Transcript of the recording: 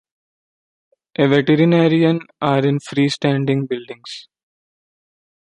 A veterinarian are in free-standing buildings.